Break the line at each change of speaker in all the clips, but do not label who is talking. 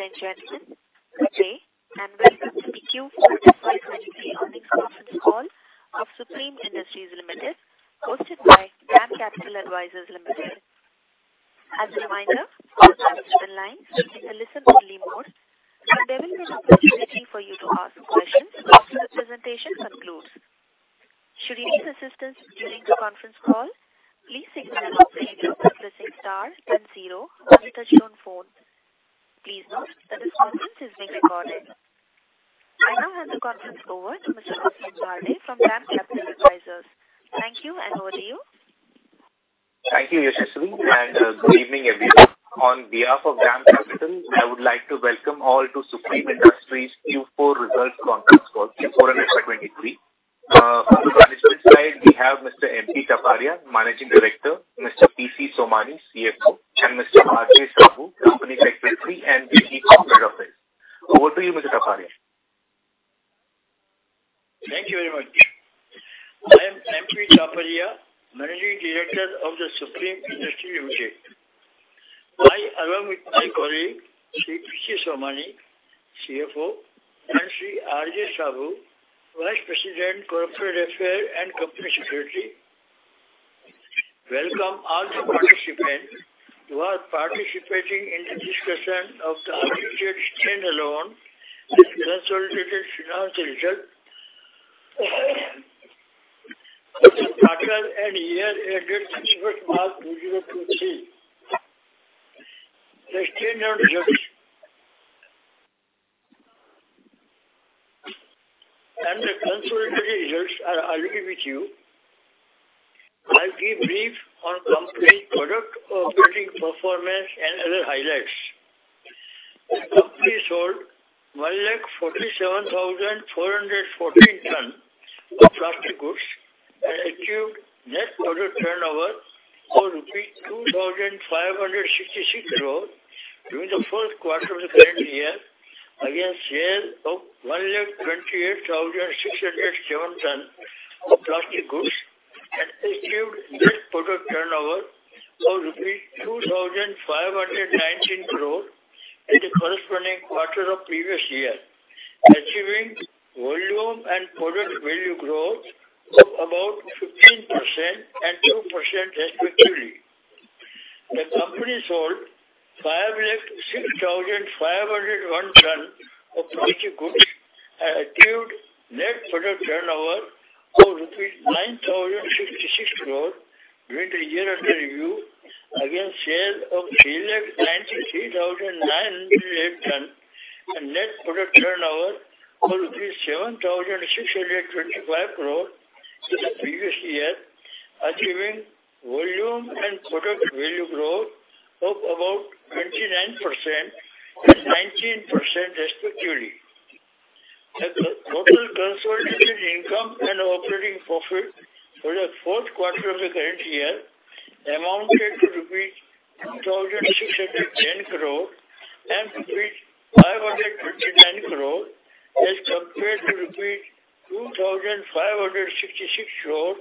Ladies and gentlemen, good day and welcome to the queue for the placement on the conference call of The Supreme Industries Limited, hosted by DAM Capital Advisors Limited. As a reminder, all lines are in a listen-only mode, and there will be an opportunity for you to ask questions after the presentation concludes. Should you need assistance during the conference call, please signal us by pressing star then zero on your touchtone phone. Please note that this conference is being recorded. I now hand the conference over to Mr. Ashvin Parekh from DAM Capital Advisors. Thank you, and over to you.
Thank you, Yashashree, and good evening, everyone. On behalf of DAM Capital, I would like to welcome all to Supreme Industries Q4 results conference call, Q4 and extra 23. From the management side, we have Mr. MP Taparia, Managing Director, Mr. PC Somani, CFO, and Mr. R.J. Saboo, Company Secretary and GD Corporate Affairs. Over to you, Mr. Taparia.
Thank you very much. I am M.P. Taparia, Managing Director of The Supreme Industries Limited. I, along with my colleague, Sri P.C. Somani, CFO, and Sri R.J. Saboo, Vice President, Corporate Affairs and Company Secretary, welcome all the participants who are participating in the discussion of the audited stand-alone consolidated finance results for the quarter and year ended 31st March 2023. The stand-alone results and the consolidated results are with you. I'll give brief on company product operating performance and other highlights. The company sold 147,414 ton of plastic goods and achieved net product turnover of INR 2,566 crore during the first quarter of the current year against sales of 128,607 ton of plastic goods and achieved net product turnover of INR 2,519 crore in the corresponding quarter of previous year, achieving volume and product value growth of about 15% and 2% respectively. The company sold 506,501 ton of plastic goods and achieved net product turnover of 9,066 crore during the year under review against sale of 393,908 ton and net product turnover of 7,625 crore rupees in the previous year, achieving volume and product value growth of about 29% and 19% respectively. The total consolidated income and operating profit for the fourth quarter of the current year amounted to rupees 2,610 crore and rupees 529 crore as compared to rupees 2,566 crore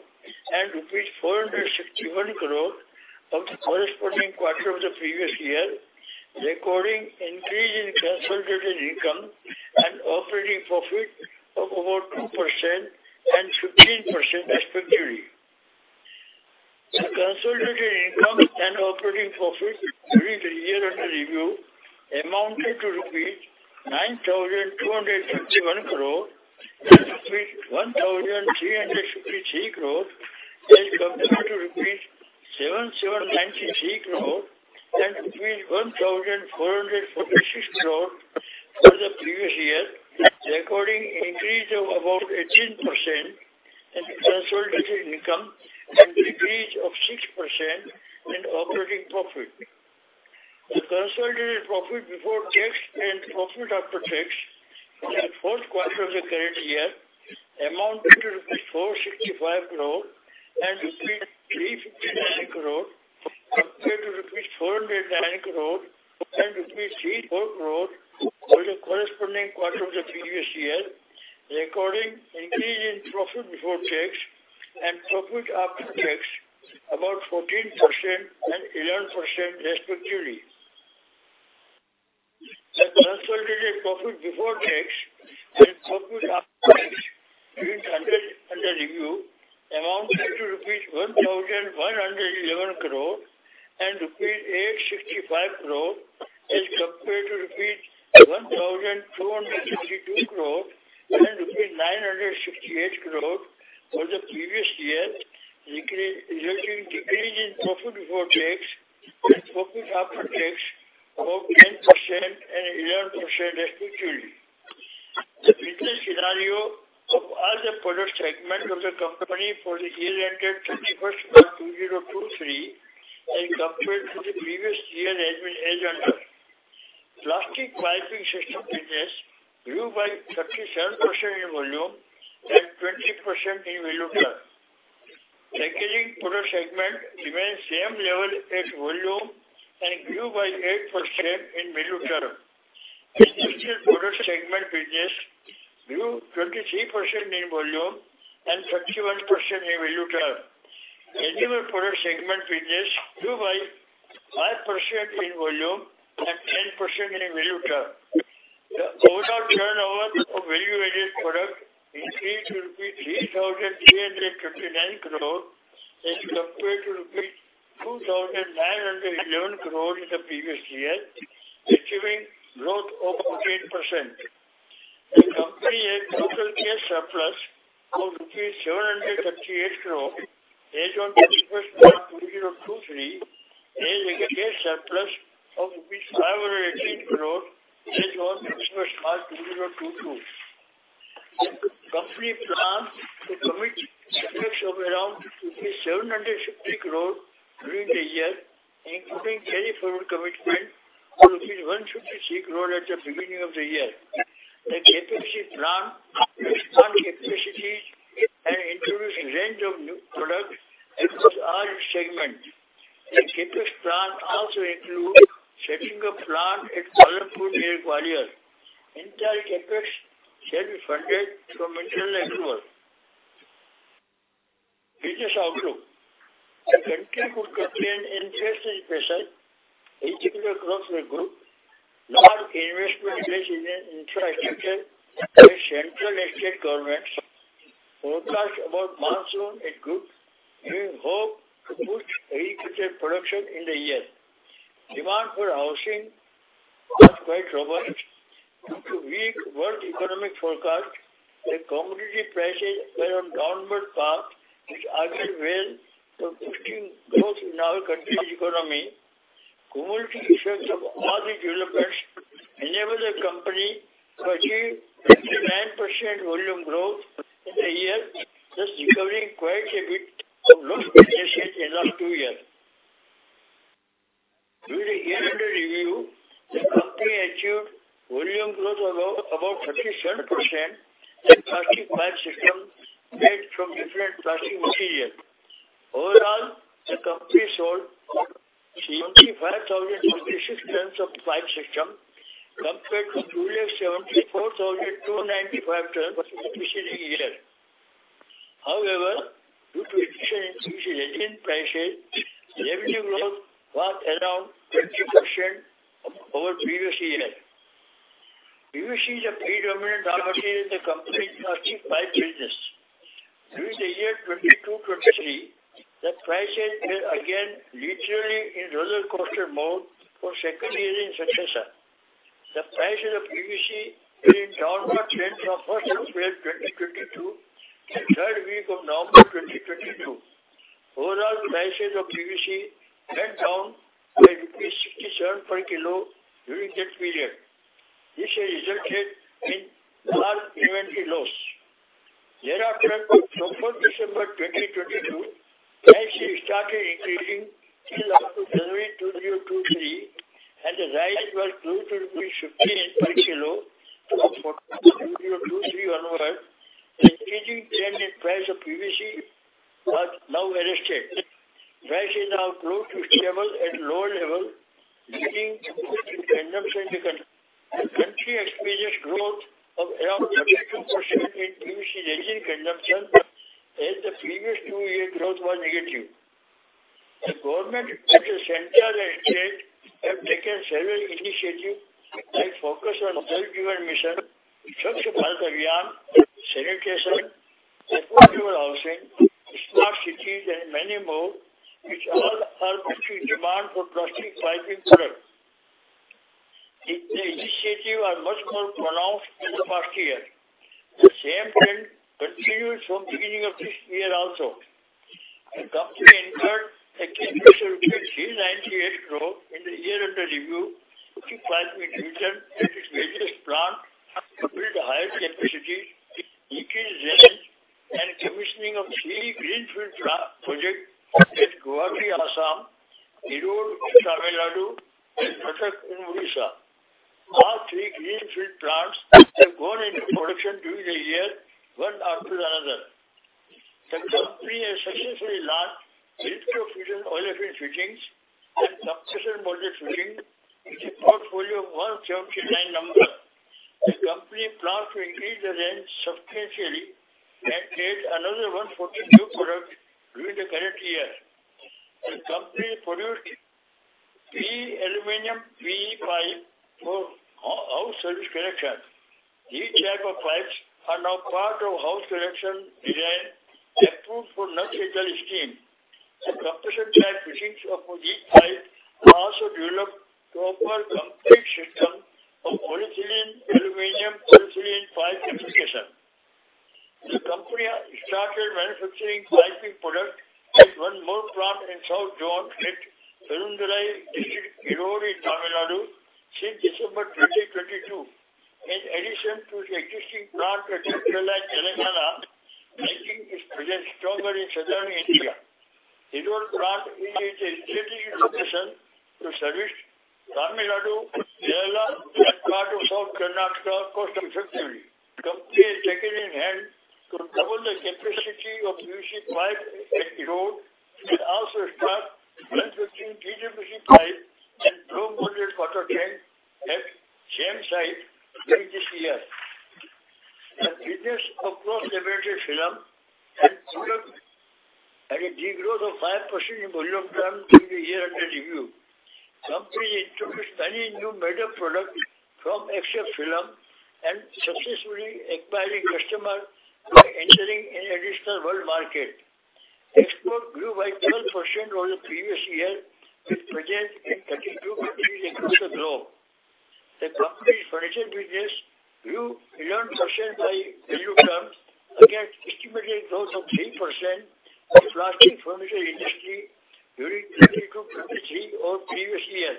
and rupees 461 crore of the corresponding quarter of the previous year, recording increase in consolidated income and operating profit of about 2% and 15% respectively. The consolidated income and operating profit during the year under review amounted to 9,251 crore rupees and 1,353 crore rupees as compared to 7,793 crore rupees and 1,446 crore rupees for the previous year, recording increase of about 18% in consolidated income and increase of 6% in operating profit. The consolidated profit before tax and profit after tax for the fourth quarter of the current year amounted to 465 crore and 359 crore compared to rupees 409 crore and rupees 34 crore for the corresponding quarter of the previous year, recording increase in profit before tax and profit after tax about 14% and 11% respectively. The consolidated profit before tax and profit after tax during the year under review amounted to rupees 1,111 crore and rupees 865 crore as compared to rupees 1,252 crore and rupees 968 crore for the previous year, resulting decrease in profit before tax and profit after tax of 10% and 11% respectively. The business scenario of all the product segment of the company for the year ended 31st March 2023 as compared to the previous year has been as under. Plastic piping system business grew by 37% in volume and 20% in value term. Packaging product segment remained same level as volume and grew by 8% in value term. Essential product segment business grew 23% in volume and 31% in value term. Annual product segment business grew by 5% in volume and 10% in value term. The overall turnover of value-added product increased to INR 3,359 crore as compared to INR 2,911 crore in the previous year, achieving growth of 15%. The company has total cash surplus of INR 738 crore as on 31st March 2023, and a cash surplus of INR 518 crore as on 31st March 2022. The company plans to commit CapEx of around 750 crore during the year, including carry forward commitment of 156 crore at the beginning of the year. housing is quite robust. Due to weak world economic forecast, the commodity prices are on downward path, which are well to boosting growth in our country's economy. Cumulative effects of all these developments enable the company to achieve 29% volume growth in the year, thus recovering quite a bit of lost positions in last two years. During the year under review, the company achieved volume growth of about 37% in plastic pipe system made from different plastic materials. Overall, the company sold 75,046 tons of pipe system compared to previous 74,295 tons of the preceding year. Due to addition in PVC resin prices, revenue growth was around 20% over previous year. PVC is a predominant raw material in the company's plastic pipe business. During the year 2022, 2023, the prices were again literally in rollercoaster mode for second year in succession. The prices of PVC were in downward trend from first of March 2022 to third week of November 2022. Overall, prices of PVC went down by INR 67 per kilo during that period. From fourth December 2022, prices started increasing till after February 2023, the rise was due to INR 58 per kilo. From 4/2/2023 onwards, the increasing trend in price of PVC was now arrested. Prices have now proved to stable at lower level, leading to good consumption in the country. The country experienced growth of around 32% in PVC resin consumption, as the previous 2-year growth was negative. The government at the central and state have taken several initiatives like Focus on Self-Driven Mission, Swachh Bharat Abhiyan, Sanitation, Affordable Housing, Smart Cities, and many more, which all help to boost demand for plastic piping product. The initiatives are much more pronounced in the past year. The same trend continues from beginning of this year also. The company incurred additional 398 crore in the year under review to plant material at its various plant to build higher capacities, increase range, and commissioning of three greenfield project at Guwahati, Assam, Erode in Tamil Nadu, and Cuttack in Odisha. All three greenfield plants have gone into production during the year, one after another. The company has successfully launched electrofusion olefin fittings and compression molded fittings with a portfolio of 179 numbers. The company plans to increase the range substantially and add another 140 new products during the current year. The company produced PE aluminum PE pipe for house service connection. These type of pipes are now part of house connection design approved for non-central steam. The compression type fittings for these pipes are also developed to offer complete system of polyethylene, aluminum, polyethylene pipe application. The company has started manufacturing piping product at one more plant in South zone at Perundurai district Erode in Tamil Nadu since December 2022. In addition to the existing plant at Nellore, Telangana, making its presence stronger in Southern India. Erode plant is a strategic location to service Tamil Nadu, Kerala, and part of South Karnataka coastal effectively. Company has taken in hand to double the capacity of PVC pipe at Erode and also start manufacturing PVC pipe and blow molded water tank at same site during this year. The business of cross laminated film had a degrowth of 5% in volume terms through the year under review. Company introduced many new made-up product from XF film and successfully acquiring customer by entering in additional world market. Export grew by 12% over the previous year with project in 22 countries inclusive globe. The company's furniture business grew 11% by value terms against estimated growth of 3% in plastic furniture industry during 2022-2023 or previous year.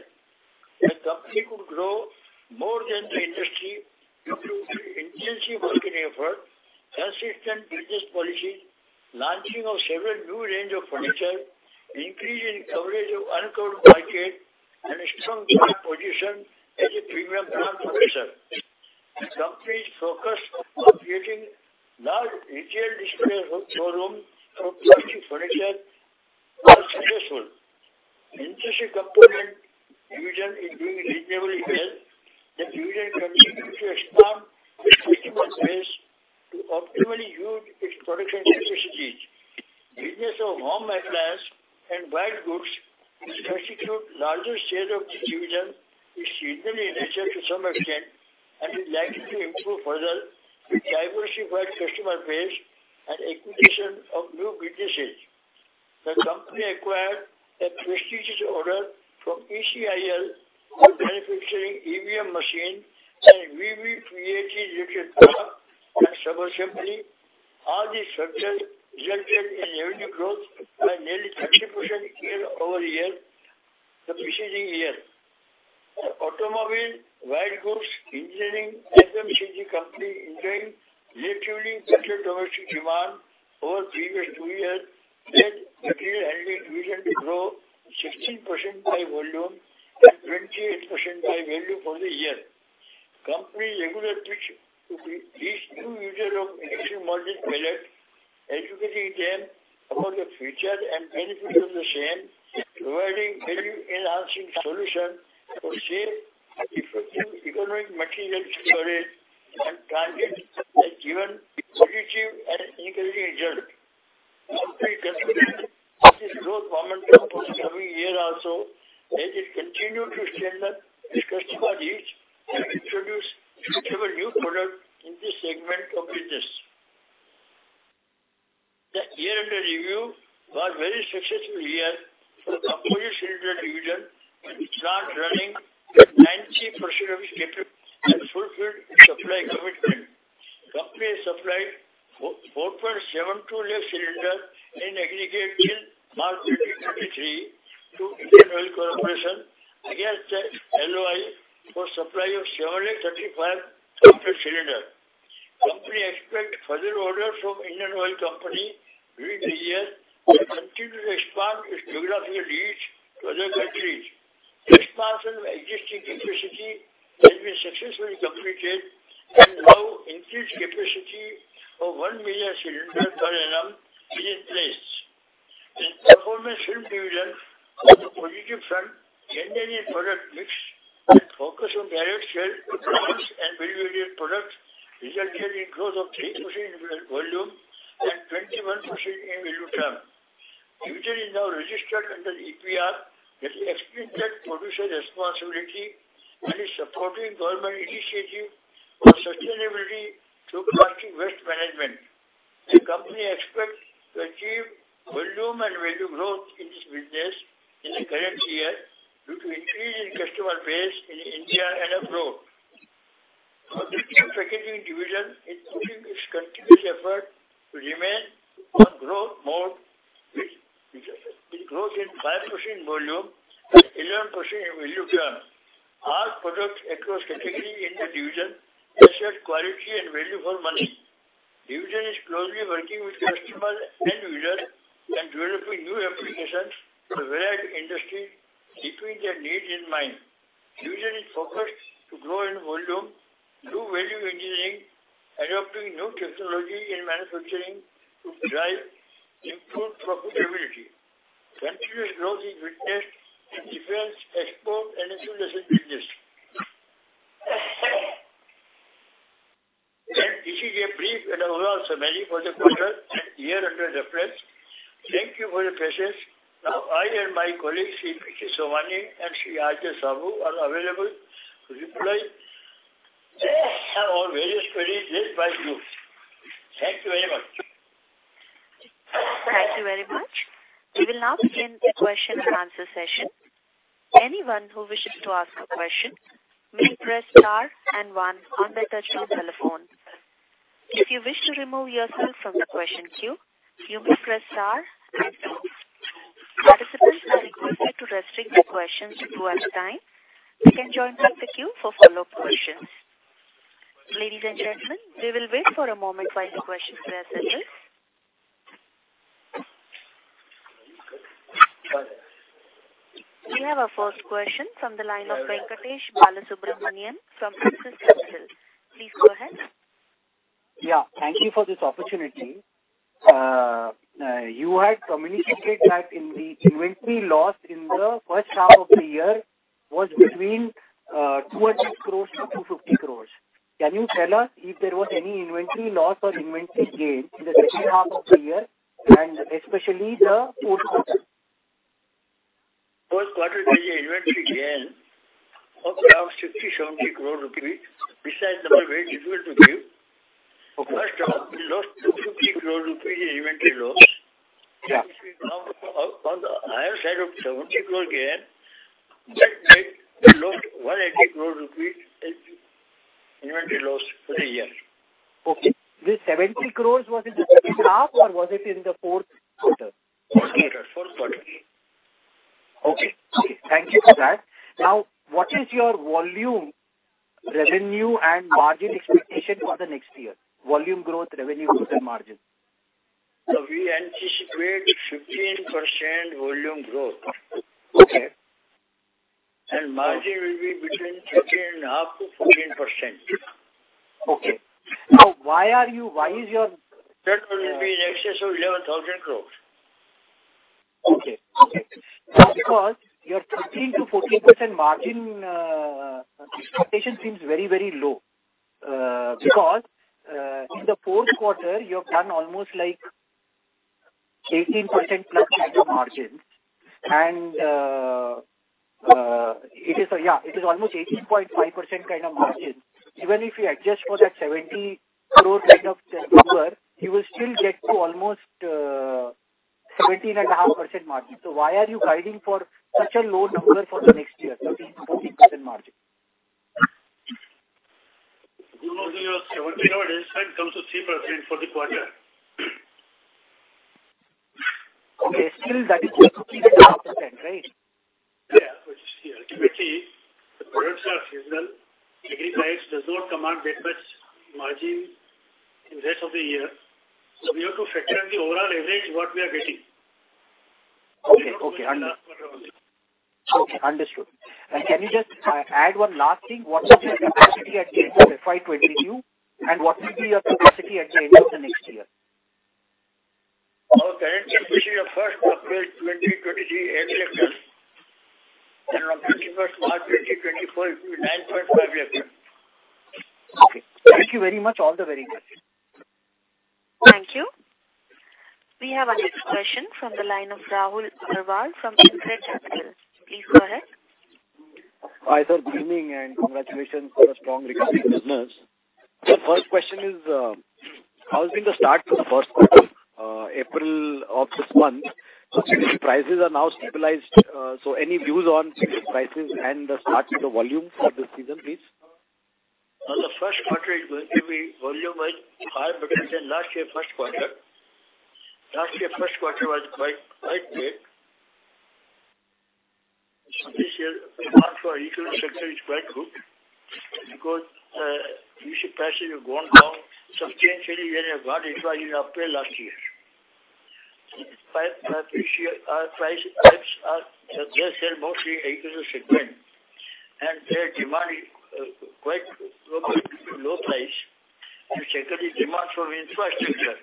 The company could grow more than the industry due to intensive marketing effort, consistent business policies, launching of several new range of furniture, increasing coverage of uncovered market, and a strong brand position as a premium brand provider. The company's focus on creating large retail display showrooms for plastic furniture are successful. Industrial component division is doing reasonably well. The division continues to expand its customer base to optimally use its production capacities. Business of home appliance and white goods, which constitute largest share of this division, is seasonal in nature to some extent and is likely to improve further with diversified customer base and acquisition of new businesses. The company acquired a prestigious order from ECIL for manufacturing EVM machine and EVM creation related product and subassembly. All these factors resulted in revenue growth by nearly 30% year-over-year the preceding year. Automobile, white goods, engineering, FMCG company enjoying relatively better domestic demand over previous 2 years led material handling division to grow 16% by volume and 28% by value for the year. Company regular pitch to reach new user of injection molded pallet, educating them about the features and benefits of the same, providing value-enhancing solution for safe and
We will now begin the question and answer session. Anyone who wishes to ask a question may press star and one on their touchtone telephone. If you wish to remove yourself from the question queue, you may press star and two. Participants are requested to restrict their questions to one time. You can join back the queue for follow-up questions. Ladies and gentlemen, we will wait for a moment while the questions are assessed. We have our first question from the line of Venkatesh Balasubramaniam from Axis Capital. Please go ahead.
Yeah. Thank you for this opportunity. You had communicated that in the inventory loss in the first half of the year was between 200 crores-250 crores. Can you tell us if there was any inventory loss or inventory gain in the second half of the year and especially the fourth quarter?
First quarter inventory gain of around 60, 70 crore. Besides that, very difficult to give.
Okay.
First half, we lost 250 crore rupees in inventory loss.
Yeah.
On the higher side of 70 crore gain, that made the loss 180 crore rupees in inventory loss for the year.
Okay. This 70 crores, was it in the second half, or was it in the fourth quarter?
Fourth quarter.
Okay. Thank you for that. What is your volume, revenue and margin expectation for the next year? Volume growth, revenue growth and margin.
We anticipate 15% volume growth.
Okay.
Margin will be between 13.5%-14%.
Okay. Now, why is your-
Turnover will be in excess of 11,000 crores.
Okay. Okay. Because your 13%-14% margin expectation seems very, very low, because in the fourth quarter you have done almost like 18%+ kind of margins and it is almost 18.5% kind of margin. Even if you adjust for that 70 crore kind of number, you will still get to almost 17.5% margin. Why are you guiding for such a low number for the next year, 13%-14% margin?
You know, we are 17% comes to 3% for the quarter.
Okay. Still that is still 13.5%, right?
Yeah. You see, ultimately the products are seasonal. Agricultural does not command that much margin in rest of the year. We have to factor in the overall average what we are getting.
Okay. Understood. Can you just add one last thing. What is your capacity at the end of FY 22, and what will be your capacity at the end of the next year?
Our current capacity is 1st of April 2023, 8 lakh tons. On 31st March 2024, it will be 9.5 lakh tons.
Okay. Thank you very much. All the very best.
Thank you. We have our next question from the line of Rahul Agarwal from InCred Capital. Please go ahead.
Hi, sir. Good evening, and congratulations on a strong recovery business. The first question is, how's been the start to the first quarter, April of this month? PVC prices are now stabilized, so any views on PVC prices and the start to the volume for this season, please?
The first quarter is going to be volume-wise higher potential than last year first quarter. Last year first quarter was quite weak. This year demand for agricultural sector is quite good because PVC prices have gone down substantially when they got introduced in April last year. This year our price types are, yes, they're mostly agriculture segment, and their demand is quite low price. The second is demand from infrastructure.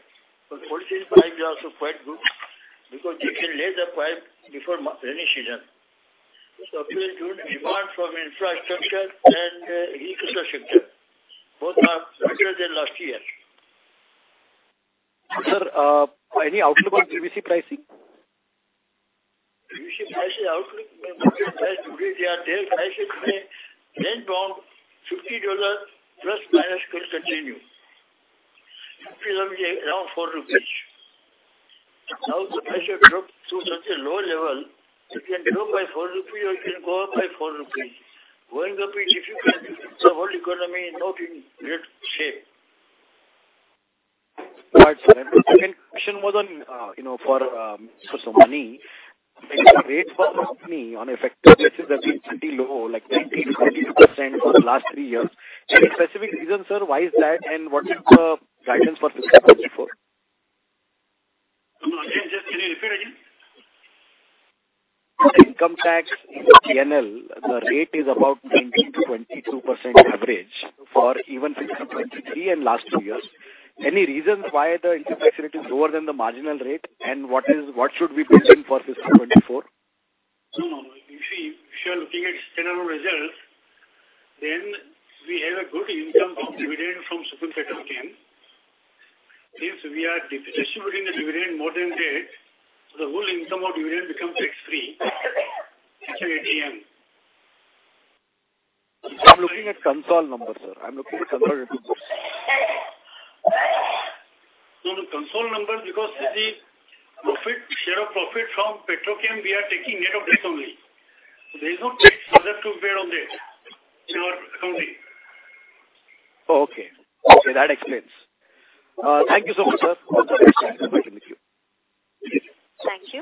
Fourth is price is also quite good because they can lay the pipe before rainy season. April, June, demand from infrastructure and agriculture sector, both are better than last year.
Sir, any outlook on PVC pricing?
PVC pricing outlook, the market price today, they are, their prices may range around $50 plus minus could continue. It will be around INR 4. Now, the price have dropped to such a low level, it can drop by 4 rupees, or it can go up by 4 rupees. Going up is difficult. The world economy is not in great shape.
Right, sir. Second question was on, you know, for Somani, the rates for the company on effective basis has been pretty low, like 19%-22% for the last 3 years. Any specific reason, sir, why is that, and what is the guidance for fiscal 2024?
No, no. Can you repeat again?
Income tax in the P&L, the rate is about 19%-22% average for even fiscal 2023 and last two years. Any reasons why the income tax rate is lower than the marginal rate, and what should we be building for fiscal 2024?
No, no. If you are looking at standalone results, then we have a good income from dividend from Supreme Petrochem. Since we are distributing the dividend more than debt, the whole income of dividend becomes tax-free under DDT.
I'm looking at Consol numbers, sir. I'm looking at Consol numbers.
No, no. Consol numbers because the profit, share of profit from Petrochem, we are taking net of this only. There is no tax further to bear on this in our accounting.
Oh, okay. Okay, that explains. Thank you so much, sir. Wish to have a virtual meeting with you.
Thank you.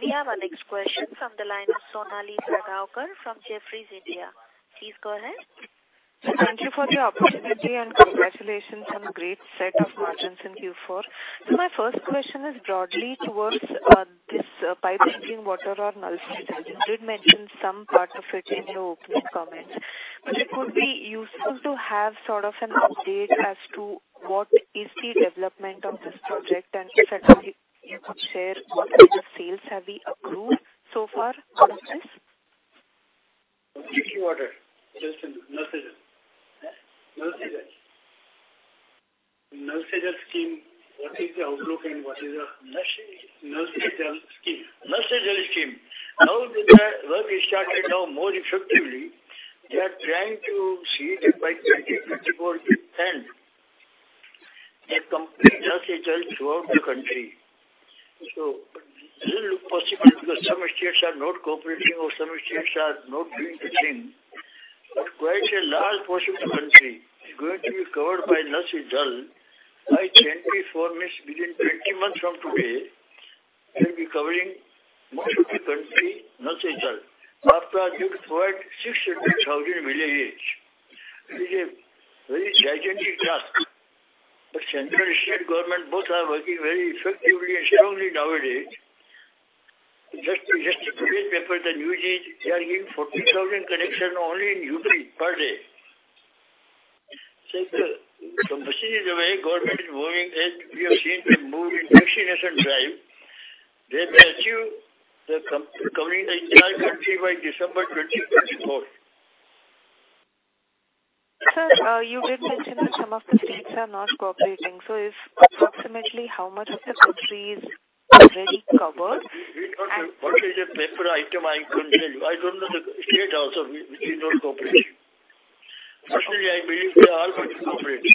We have our next question from the line of Sonali Salgaonkar from Jefferies India. Please go ahead.
Thank you for the opportunity. Congratulations on great set of margins in Q4. My first question is broadly towards this pipe drinking water or. You did mention some part of it in your opening comments. It would be useful to have sort of an update as to what is the development of this project, and if at all you can share what kind of sales have we approved so far out of this.
Drinking water. Just a minute.
Yes.
Nal Se Jal.
Huh?
Nal Se Jal.
Nal Se Jal scheme, what is the outlook and what is the-
Nal Se Jal.
Nal Se Jal scheme.
Nal Se Jal scheme. Now that the work is started now more effectively, they are trying to see that by 2024 it end. A complete Nal Se Jal throughout the country. It will look possible because some states are not cooperating or some states are not doing the thing. Quite a large portion of the country is going to be covered by Nal Se Jal. By 2024 means within 20 months from today, we'll be covering most of the country Nal Se Jal. Up to I think 600,000 village. It is a very gigantic task, but central and state government both are working very effectively and strongly nowadays. Just today's paper, the news is they are giving 40,000 connection only in Uttar Pradesh. From this is the way government is working, as we have seen them move in vaccination drive, they may achieve the covering the entire country by December 2024.
Sir, you did mention that some of the states are not cooperating. Is approximately how much of the country is already covered?
We don't know. What is a paper item I couldn't tell you. I don't know the state also which is not cooperating. Personally, I believe they all want to cooperate.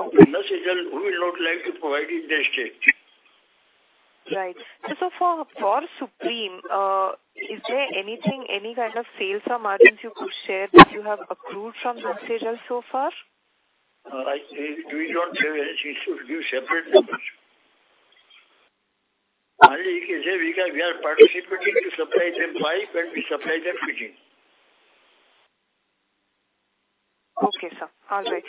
Okay.
Nal Se Jal, who will not like to provide it in their state?
Right. For Supreme, is there anything, any kind of sales or margins you could share that you have accrued from Har Ghar Nal Se Jal so far?
We do not give it. We should give separate numbers. Only we can say we are participating to supply them pipe and we supply them fitting.
Okay, sir. All right.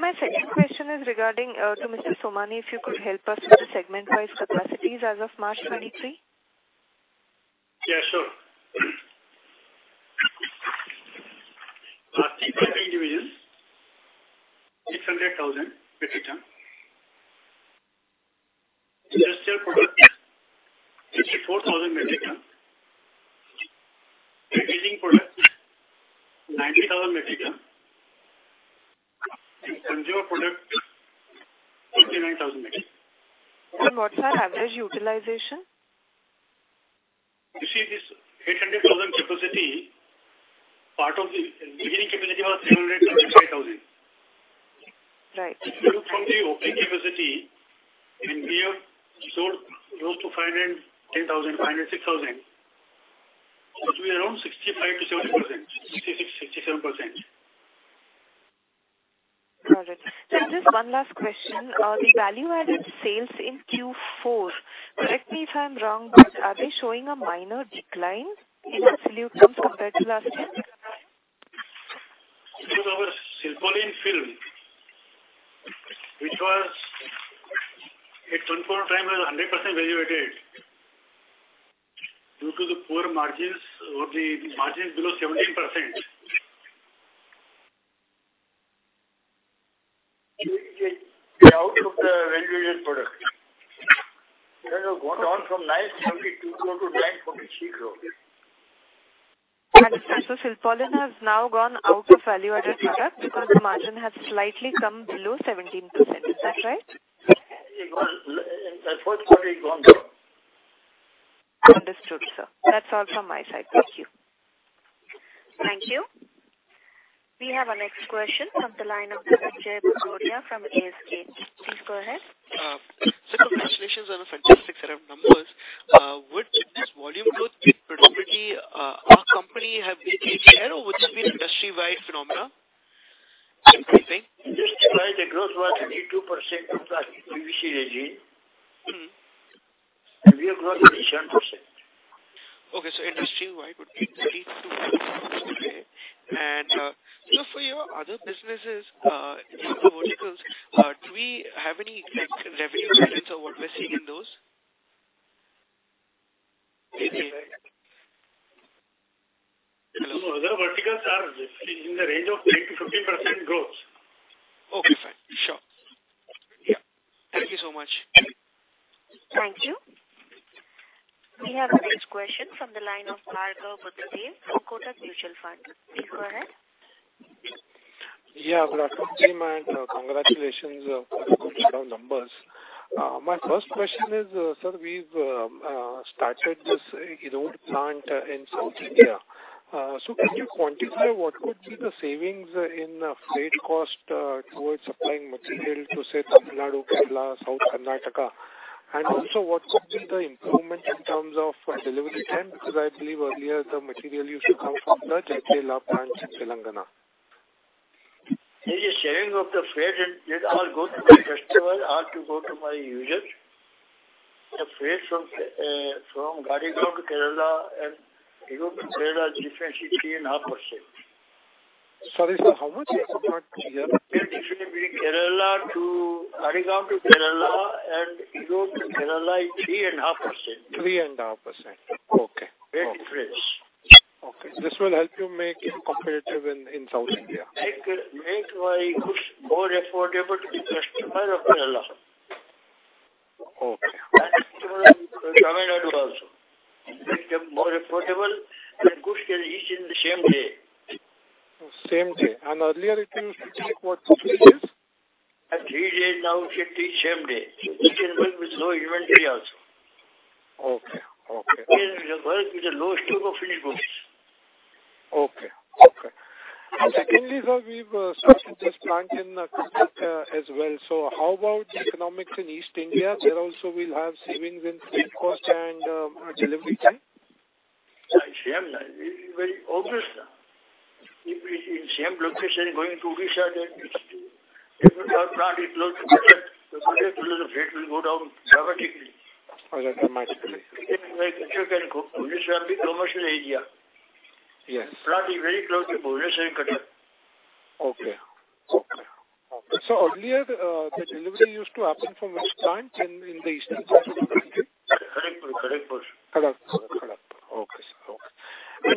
My second question is regarding to Mr. Somani, if you could help us with the segment-wise capacities as of March 23.
Yeah, sure. Plastic pipe divisions, 600,000 metric ton. Industrial products, 64,000 metric ton. Resin products, 90,000 metric ton. Consumer products, 49,000 metric ton.
What's our average utilization?
You see this 800,000 capacity, part of the beginning capacity was 365,000.
Right.
If you look from the opening capacity, we have sold close to 510,000, 506,000, it will be around 65%-70%, 66%, 67%.
Got it. Just one last question. The value-added sales in Q4, correct me if I'm wrong, but are they showing a minor decline in absolute terms compared to last year?
Our Silpaulin film, which was at one point of time was 100% value added, due to the poor margins or the margins below 17%, we take it out of the value-added product. It has gone down from INR 972 crore to INR 943 crore.
Understood. Silpaulin has now gone out of value-added product because the margin has slightly come below 17%. Is that right?
It was, in the fourth quarter it gone down.
Understood, sir. That's all from my side. Thank you.
Thank you. We have our next question on the line of Dhananjai Bagrodia from ASK. Please go ahead.
Sir, congratulations on a fantastic set of numbers. Would this volume growth been predominantly, our company have been ahead or would this be an industry-wide phenomena kind of thing?
Industry-wide the growth was 82% of that PVC resin.
Mm-hmm.
We have grown 87%.
Okay. industry-wide would be 82%, okay. for your other businesses, in other verticals, do we have any like revenue guidance on what we're seeing in those?
Which other?
Hello?
The other verticals are in the range of 9%-15% growth.
Okay, fine. Sure.
Yeah.
Thank you so much.
Thank you. We have our next question from the line of Bhargav Buddhadev from Kotak Mutual Fund. Please go ahead.
Good afternoon, team, congratulations for a good set of numbers. My first question is, sir, we've started this Erode plant in South India. Can you quantify what could be the savings in freight cost towards supplying material to, say, Tamil Nadu, Kerala, South Karnataka? What could be the improvement in terms of delivery time? Because I believe earlier the material used to come from the Jadcherla plant in Telangana.
The saving of the freight, it all go to my customer or to go to my users.
Sorry, sir, how much is the margin here?
The difference between Arakkonam to Kerala and Erode to Kerala is 3.5%.
3.5%. Okay.
Great difference.
Okay. This will help you make competitive in South India.
It could make my goods more affordable to the customer of Kerala.
Okay.
Customer in Tamil Nadu also. Make them more affordable, and the goods can reach in the same day.
Same day. Earlier it used to take what, two, three days?
3 days. Now it should reach same day. We can work with low inventory also.
Okay. Okay.
We can work with the low stock of finished goods.
Okay. Okay. Secondly, sir, we've started this plant in Kolkata as well. How about the economics in East India? There also we'll have savings in freight cost and delivery time.
Same, same. It will be very obvious, sir. If we're in same location going to Odisha, then it will help. Our plant is close to Cuttack. Cuttack to Erode the freight will go down dramatically.
Okay. That's a nice place.
You can go. Bhubaneswar is a commercial area.
Yes.
Plant is very close to Bhubaneswar and Cuttack.
Okay. Okay. Earlier, the delivery used to happen from which plant in the eastern part of the country?
Kharagpur, sir.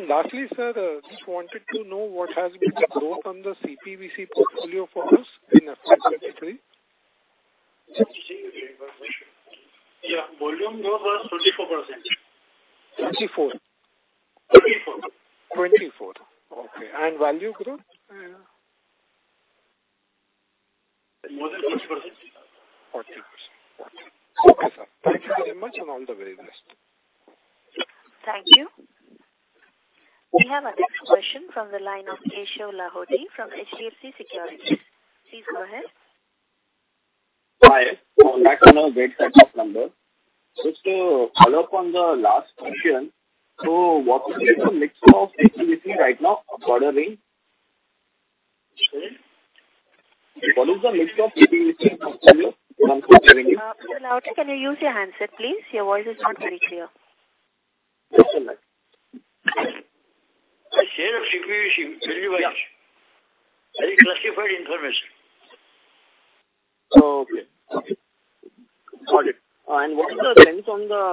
Kharagpur. Okay, sir. Okay. Lastly, sir, just wanted to know what has been the growth on the CPVC portfolio for us in FY 23?
Yeah. Volume growth was 24%.
Twenty-four?
Twenty-four.
24. Okay. Value growth?
More than 40%.
40%. Okay. Okay, sir. Thank you very much, and all the very best.
Thank you. We have our next question from the line of Keshav Lahoti from HDFC Securities. Please go ahead.
Hi. On that kind of great set of numbers. Just to follow up on the last question, what is the mix of CPVC right now quarterly?
Sorry?
What is the mix of CPVC portfolio? I'm still hearing you.
Mr. Lahoti, can you use your handset, please? Your voice is not very clear.
Yes, sir. The share of CPVC in L&T?
Yes.
Very classified information.
Oh, okay. Copy. Got it. What is the trend on the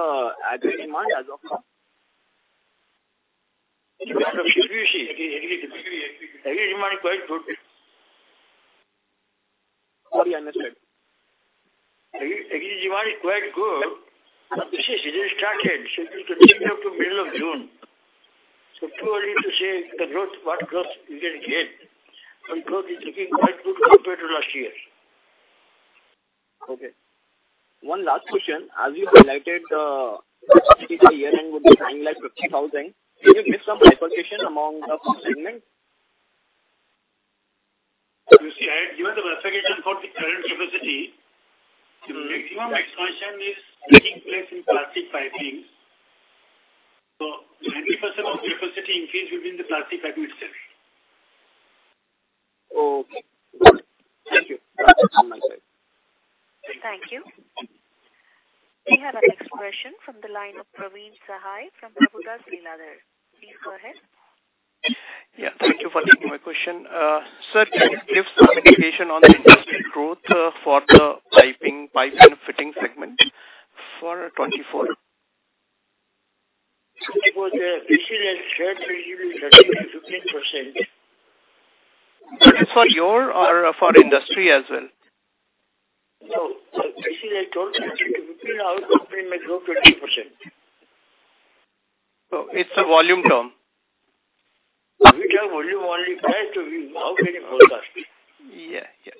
Agri demand as of now?
Agri demand is quite good.
Sorry, I missed that.
Agri demand is quite good. You see, season started. Season continues up to middle of June. Too early to say the growth, what growth we can get. Growth is looking quite good compared to last year.
Okay. One last question. As you highlighted, CapEx for the year end would be something like 50,000. Did you get some allocation among the segments?
You see, I had given the verification for the current capacity. The maximum expansion is taking place in plastic pipings. 90% of the capacity increase will be in the plastic pipe itself.
Okay. Got it. Thank you. That's it from my side.
Thank you. We have our next question from the line of Praveen Sahay from Kotak. Please go ahead.
Thank you for taking my question. Sir, can you give some indication on the industry growth for the piping, pipes and fitting segment for 2024?
For the business as a whole it will be 13%-15%.
That is for your or for industry as well?
No. For business as a whole, between our company may grow 20%.
It's a volume term.
How can I forecast?
Yeah. Yeah,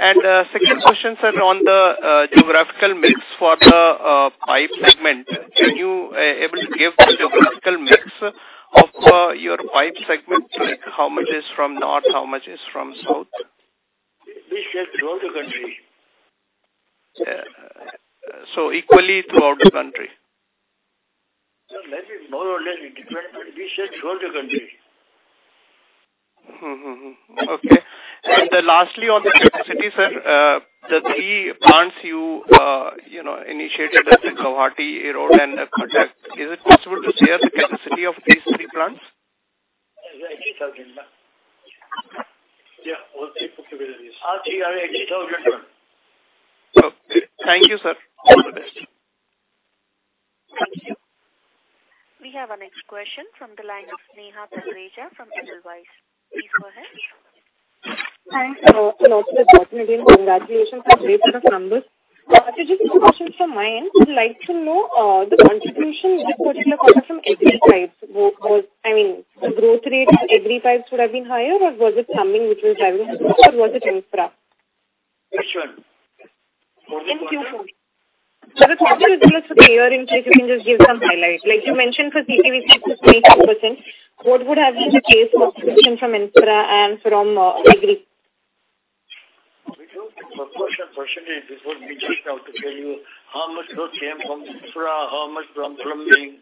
yeah. Second question, sir, on the geographical mix for the pipe segment. Can you able to give the geographical mix of your pipe segment? Like, how much is from north, how much is from south?
We sell throughout the country.
Yeah. Equally throughout the country.
Sir, maybe more or less it depends, but we sell throughout the country.
Mm-hmm, mm-hmm. Okay. Lastly, on the capacities, sir, the three plants you know, initiated at Guwahati, Erode and Cuttack, is it possible to share the capacity of these three plants?
Is 80,000 ton.
Yeah. All three put together, yes.
All three are 80,000 ton.
Okay. Thank you, sir. All the best.
Thank you. We have our next question from the line of Sneha Talreja from Edelweiss. Please go ahead.
Thanks. Also congratulations on great set of numbers. Sir, just two questions from my end. Would like to know, the contribution in this particular quarter from Agri pipes, I mean, the growth rate of Agri pipes would have been higher or was it plumbing which was driving the growth or was it infra?
Which one?
In Q4. Sir, the contribution for the year interest, you can just give some highlight. Like you mentioned for CPVC it was 22%. What would have been the case for contribution from infra and from Agri?
We don't give a proportion %. It would be just now to tell you how much growth came from infra, how much from plumbing,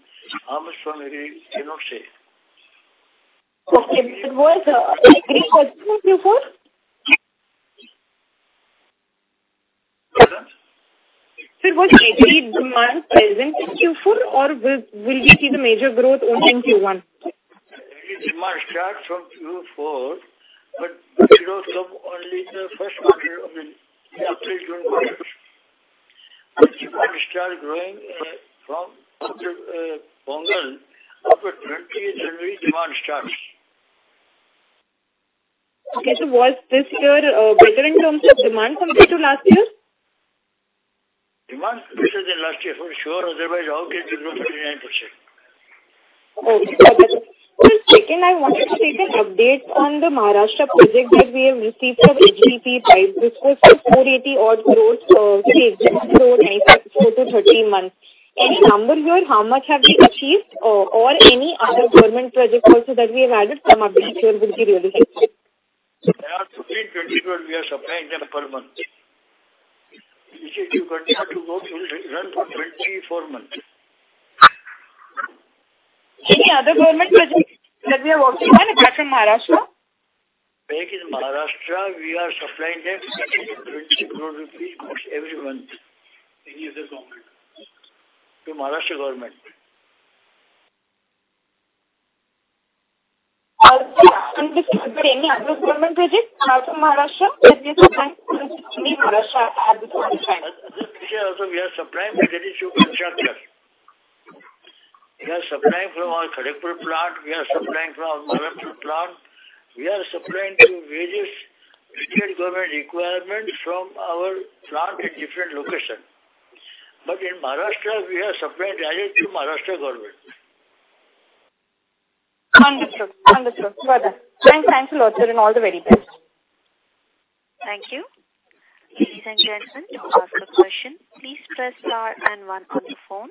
how much from Agri. Cannot say.
Okay. Was Q4?
Pardon?
Sir, was Q3 demand present in Q4, or will we see the major growth only in Q1?
Demand starts from Q4, but the growth of only the first quarter, I mean, April, June quarters. It start growing, from, after, Pongal, after twentieth January, demand starts.
Okay. Was this year better in terms of demand compared to last year?
Demand better than last year for sure, otherwise how can we grow 39%?
Okay. Second, I wanted to take an update on the Maharashtra project that we have received from HDPE Pipes. This was INR 48-odd crores, INR 6 crores, 9-13 months. Any number here, how much have we achieved, or any other government projects also that we have added from update here with the relationship?
Yeah, between 2012 we are supplying them per month. If you continue to work, it will run for 24 months.
Any other government projects that we are working on apart from Maharashtra?
Like in Maharashtra, we are supplying them 20 crore rupees almost every month. Any other government, to Maharashtra government.
Okay. Any other government projects apart from Maharashtra that we are supplying, any Maharashtra apart from supplying?
we are supplying projects in Gujarat. We are supplying from our Kharagpur plant, we are supplying from our Maharashtra plant. We are supplying to various Indian government requirements from our plant in different location. in Maharashtra, we are supplying direct to Maharashtra government.
Understood. Understood. Got that. Thanks a lot, sir, and all the very best.
Thank you. Ladies and gentlemen, to ask a question, please press star and one on your phone.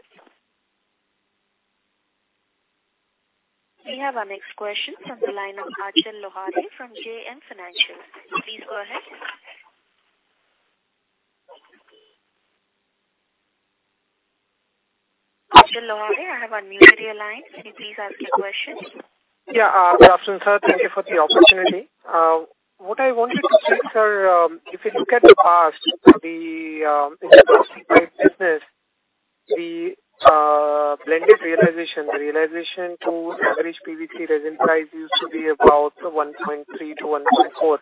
We have our next question from the line of Achal Lohade from JM Financial. Please go ahead. Achal Lohade, I have unmuted your line. Can you please ask your question?
Good afternoon, sir. Thank you for the opportunity. What I wanted to see, sir, if you look at the past, in the past PVC business, the blended realization, the realization to average PVC resin price used to be about 1.3-1.4.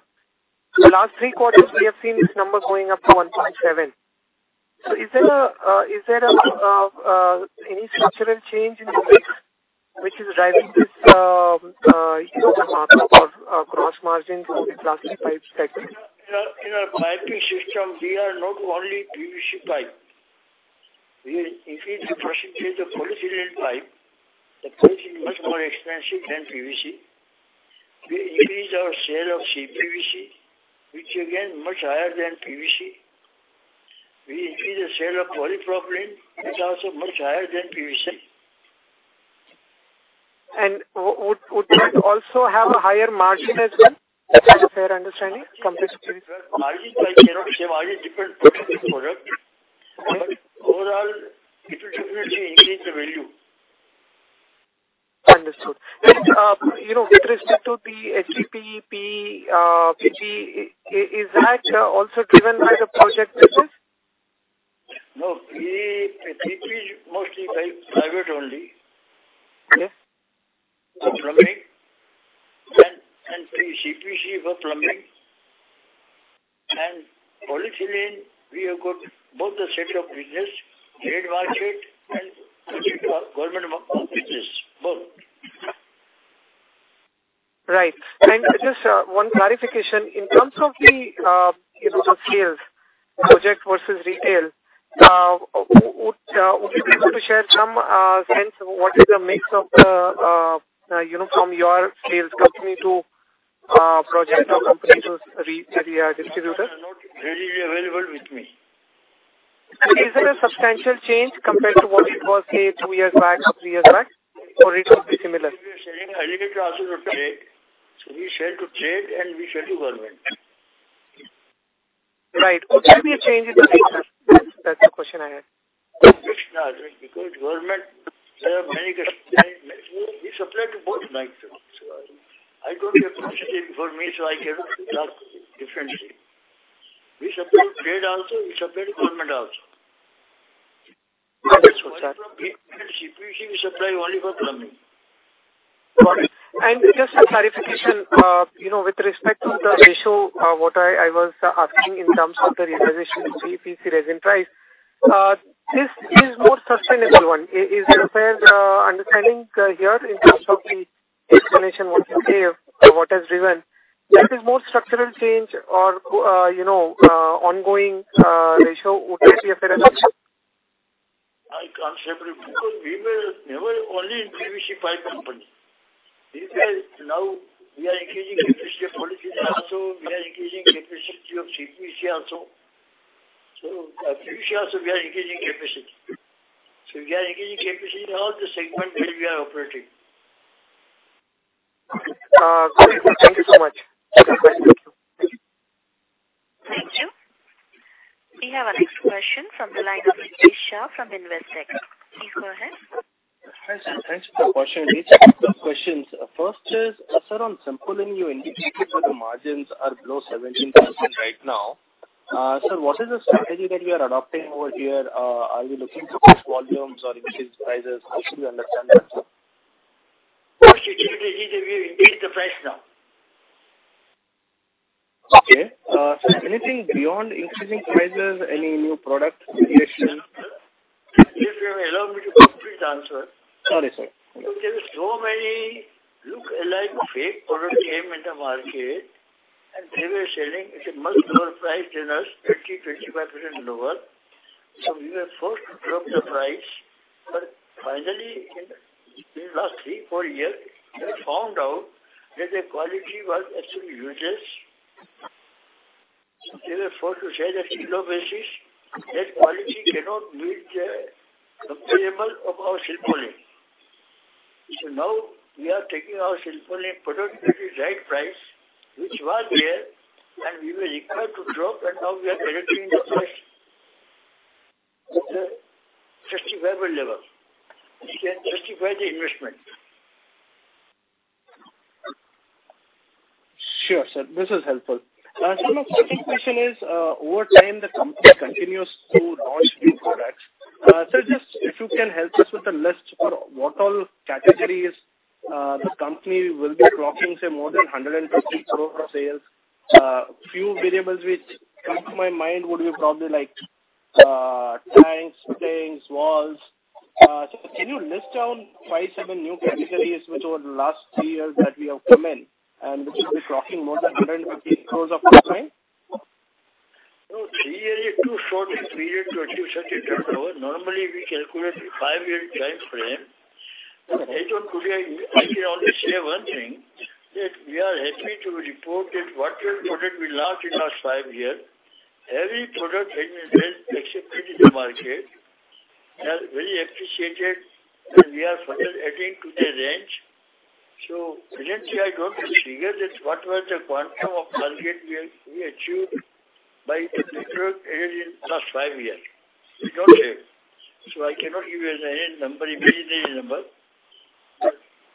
The last 3 quarters we have seen this number going up to 1.7. Is there any structural change in the mix which is driving this, you know, the margin of gross margin from the plastic pipes segment?
In our piping system, we are not only PVC pipe. We increased the percentage of polyethylene pipe. The pipe is much more expensive than PVC. We increased our sale of CPVC, which again much higher than PVC. We increased the sale of polypropylene, which also much higher than PVC.
Would that also have a higher margin as well? Is that a fair understanding compared to PVC?
Margins, I cannot say margins different for different product, but overall it will definitely increase the value.
Understood. You know, with respect to the HDPE, PG, is that also driven by the project business?
No, PE, PP mostly by private only.
Okay.
For plumbing. CPVC for plumbing. Polyethylene, we have got both the set of business, trade market and project, government office, both.
Right. just, one clarification, in terms of the, you know, the sales, project versus retail, would you be able to share some, sense what is the mix of, you know, from your sales company to, project or company to retailer distributors?
Those are not really available with me.
Is it a substantial change compared to what it was, say, two years back or three years back, or it was similar?
We are selling a unit also to trade. We sell to trade and we sell to government.
Right. What will be a change in the mix, that's the question I had.
There's no difference, Achal, because government, there are many customers. We supply to both markets. I don't have a percentage before me, so I cannot tell you differently. We supply trade also, we supply to government also.
Understood, sir.
Polypropylene and CPVC, we supply only for plumbing.
Got it. Just a clarification, you know, with respect to the ratio, what I was asking in terms of the realization of PVC resin price, this is more sustainable one. Is that a fair understanding here in terms of the explanation what you gave, what has driven? That is more structural change or, you know, ongoing ratio would be a fair assumption?
I can't say because we were never only a PVC pipe company. Now we are increasing capacity of polyethylene also, we are increasing capacity of CPVC also. PVC also we are increasing capacity. We are increasing capacity in all the segment where we are operating.
Great. Thank you so much.
From Investec. Please go ahead.
Hi, sir. Thanks for the question. Two questions. First is, sir, on Supreme Petrochem you indicated that the margins are below 17% right now. Sir, what is the strategy that you are adopting over here? Are you looking to boost volumes or increase prices? How should we understand that, sir?
Okay. We increase the price now.
Okay. anything beyond increasing prices, any new product creation?
If you allow me to complete answer.
Sorry, sir.
There were so many look-alike fake products came in the market, and they were selling at a much lower price than us, 20%-25% lower. We were forced to drop the price. Finally, in last 3-4 years, we found out that the quality was actually useless. They were forced to say that below basis, that quality cannot meet the comparable of our Silpaulin. Now we are taking our Silpaulin product at the right price, which was there, and we were required to drop, and now we are correcting the price at a justifiable level. We can justify the investment.
Sure, sir. This is helpful. Sir, my second question is, over time, the company continues to launch new products. Just if you can help us with a list for what all categories, the company will be crossing, say, more than 150 crore sales. Few variables which come to my mind would be probably like, tanks, fittings, walls. Can you list down five, seven new categories which over the last three years that we have come in and which will be crossing more than 150 crores of revenue?
No, three years is too short a period to achieve such a turnover. Normally, we calculate the five-year timeframe. As of today, I can only say one thing, that we are happy to report that whatever product we launched in last five years, every product has been well accepted in the market, has very appreciated, and we are further adding to the range. Presently, I don't recall that what was the quantum of target we have, we achieved by the new product added in last five years. We don't have. I cannot give you any number, imaginary number.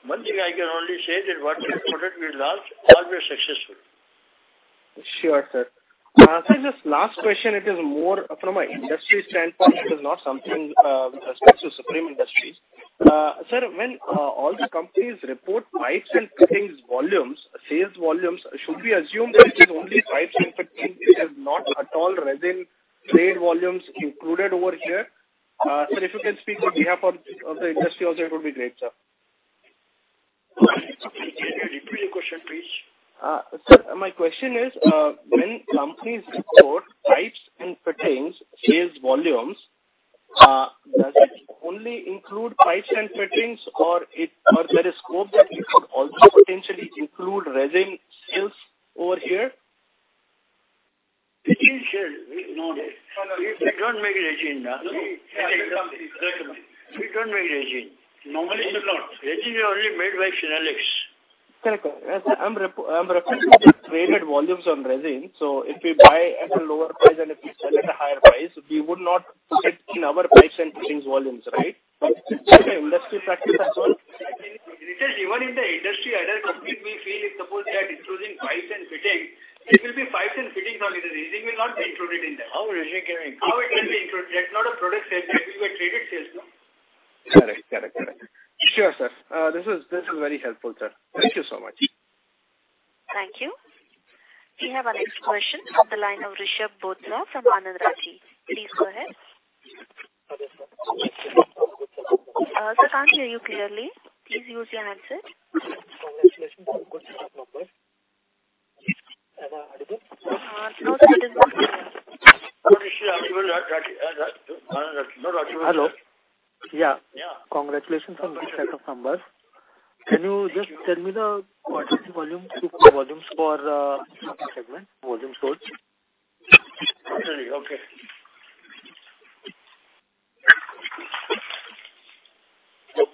One thing I can only say that whatever product we launched, all were successful.
Sure, sir. sir, just last question. It is more from an industry standpoint. It is not something with respect to Supreme Industries. sir, when all the companies report pipes and fittings volumes, sales volumes, should we assume that it is only pipes and fittings? It is not at all resin trade volumes included over here. sir, if you can speak on behalf of the industry also, it would be great, sir.
Can you repeat your question, please?
Sir, my question is, when companies report pipes and fittings sales volumes, does it only include pipes and fittings or there is scope that it could also potentially include resin sales over here?
Resin sales, no. We don't make resin. We don't make resin. Normally, it's not. Resin is only made by Finolex.
Correct. I'm referring to the traded volumes on resin. If we buy at a lower price and if we sell at a higher price, we would not put it in our pipes and fittings volumes, right? Is that the industry practice as well?
Ritesh, even in the industry, other companies, we feel if suppose they are including pipes and fittings, it will be pipes and fittings only. The resin will not be included in that.
How resin can include?
How it can be included? That's not a product sales. That will be a traded sales, no?
Correct. Sure, sir. This is very helpful, sir. Thank you so much.
Thank you. We have our next question from the line of Rishab Bothra from Anand Rathi. Please go ahead.
Hello.
Sir, can't hear you clearly. Please use your handset.
Congratulations on good results. Am I audible?
No, sir. Not visible.
Rishabh, are you on Rathi? No, Rathi.
Hello. Yeah.
Yeah.
Congratulations on this set of numbers. Can you just tell me the quantity volumes for segment, volume growth?
Okay.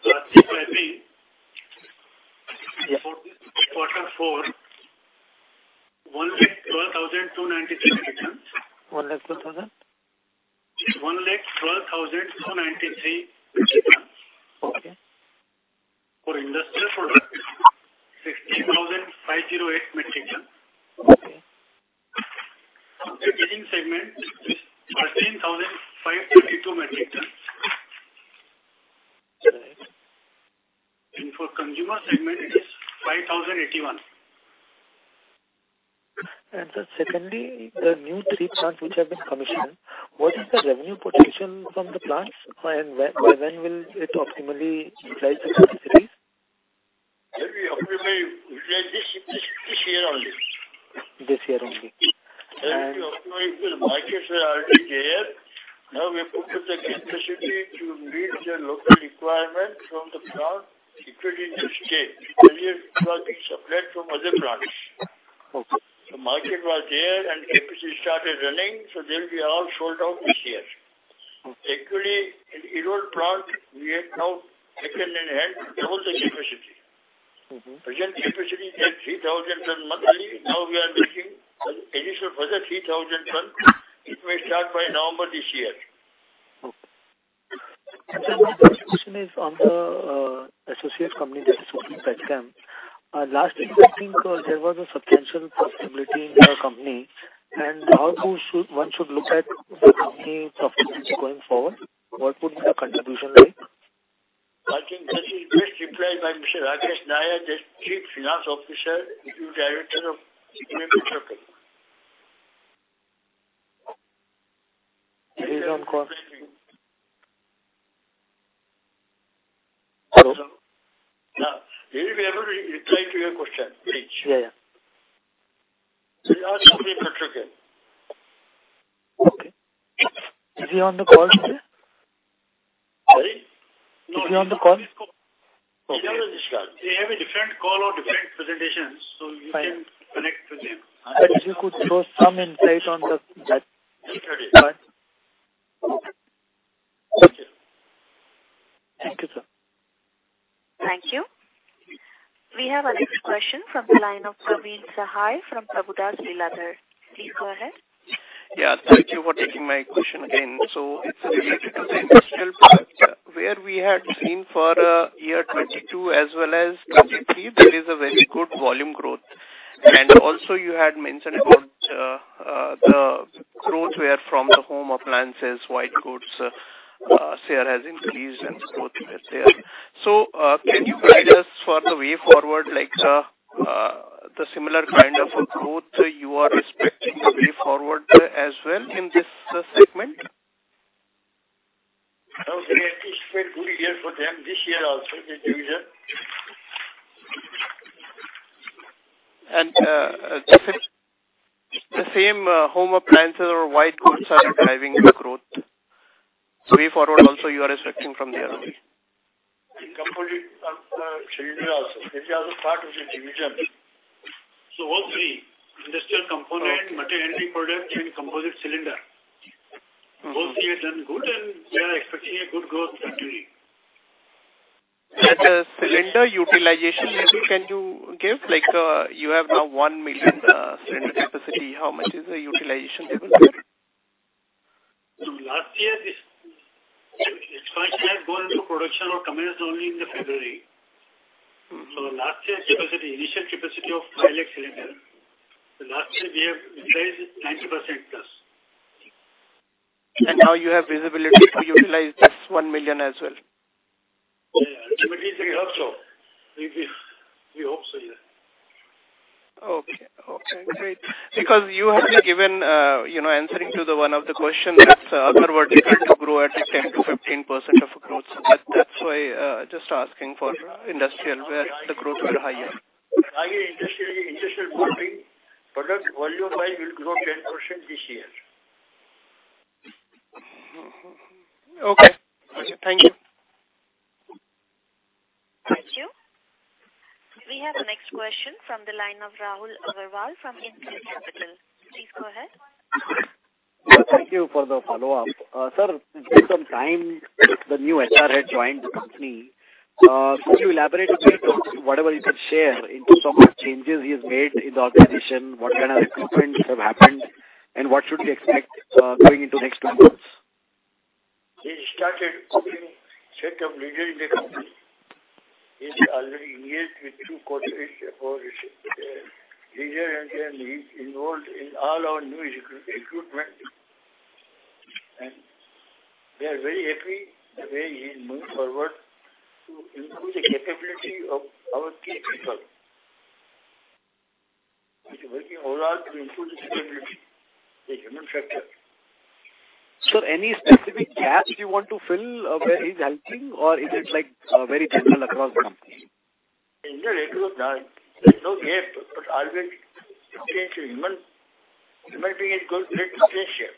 Plastic piping.
Yeah.
Quarter four, 112,293 metric tons.
INR 1,12,000?
112,293 metric tons.
Okay.
For industrial products, 60,508 metric ton.
Okay.
For fitting segment, 13,532 metric ton.
All right.
For consumer segment, it is 5,081.
Sir, secondly, the new three plants which have been commissioned, what is the revenue potential from the plants? When will it optimally utilize the capacity?
It will be optimally utilized this year only.
This year only.
Optimally, the markets are already there. Now we have put the capacity to meet the local requirement from the plant situated in the state. Earlier, it was being supplied from other plants.
Okay.
The market was there and the capacity started running, so they'll be all sold out this year.
Okay.
Actually, in Erode plant, we have now taken and enhanced double the capacity. Presently, capacity is at 3,000 ton monthly. Now we are making an additional further 3,000 ton. It may start by November this year.
Okay. Sir, my next question is on the associate company. Last year I think there was a substantial profitability in that company. How one should look at the company profitability going forward? What would be the contribution rate?
I think this is best replied by Mr. Rakesh Nair, the Chief Finance Officer and Director of Indian Oil Corporation.
He's on call.
Awesome. Is he able to reply to your question, please?
Yeah, yeah.
So [we'll ask Supreme Petrochem].
Okay. Is he on the call, sir?
Sorry.
Is he on the call?
No, he's not on this call.
Okay.
He's on a different call.
They have a different call or different presentations, so you can-
Fine.
connect with him.
if you could throw some insight on the.
Later, yeah.
All right.
Okay.
Thank you, sir.
Thank you. We have our next question from the line of Praveen Sahay from Prabhudas Lilladher. Please go ahead.
Yeah, thank you for taking my question again. It's related to the industrial part where we had seen for, year 2022 as well as 2023, there is a very good volume growth. Also you had mentioned about the growth where from the home appliances, white goods, share has increased and growth was there. Can you guide us for the way forward, like the similar kind of a growth you are expecting the way forward as well in this segment?
It's been a good year for them this year also, the division.
The same home appliances or white goods are driving the growth. Way forward also you are expecting from there only.
Composite of the cylinder also. That is also part of the division.
All three, industrial component, material handling product and composite cylinder.
Mm-hmm.
All three have done good, and we are expecting a good growth actually.
The cylinder utilization ratio can you give? Like, you have now 1 million cylinder capacity. How much is the utilization level?
Last year As far as I have gone into production or commenced only in February.
Mm-hmm.
Last year capacity, initial capacity of 5 lakh cylinder. Last year we have utilized 90%+.
Now you have visibility to utilize this 1 million as well.
Yeah, yeah. We hope so. We hope so, yeah.
Okay. Okay, great. You had given, you know, answering to the one of the question that other verticals will grow at like 10%-15% of growth. That, that's why, just asking for industrial where the growth were higher.
Higher industrial grouping product volume by will grow 10% this year.
Okay. Thank you.
Thank you. We have the next question from the line of Rahul Agarwal from InCred Capital. Please go ahead.
Thank you for the follow-up. Sir, it's been some time the new HR head joined the company. Could you elaborate a bit of whatever you could share in terms of changes he has made in the organization, what kind of recruitments have happened, and what should we expect, going into next 12 months?
He started putting set of leaders in the company. He's already engaged with 2 quarter age for his leader, and then he's involved in all our new recruitment. We are very happy the way he is moving forward to improve the capability of our key people. He's working overall to improve the capability, the human factor.
Sir, any specific gaps you want to fill, where he's helping or is it like, very general across the company?
In general, there is no gap. Always change in human being is going through a change here.